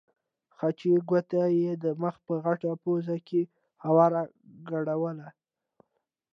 خچۍ ګوته یې د مخ په غټه پوزه کې هواره ګډوله.